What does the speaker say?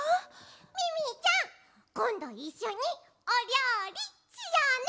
ミミィちゃんこんどいっしょにおりょうりしようね！